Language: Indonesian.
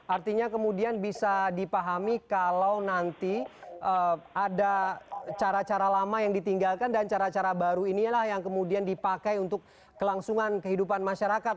artinya kemudian bisa dipahami kalau nanti ada cara cara lama yang ditinggalkan dan cara cara baru inilah yang kemudian dipakai untuk kelangsungan kehidupan masyarakat